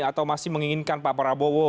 atau masih menginginkan pak prabowo